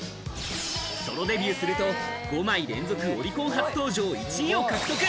ソロデビューすると５枚連続オリコン初登場１位を獲得。